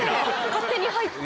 勝手に入って。